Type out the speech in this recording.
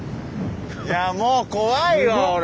いやもう怖いわ俺。